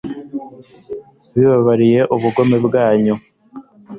zibabariye ubugome bwanyu